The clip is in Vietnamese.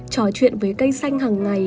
trò chuyện với cây xanh hằng ngày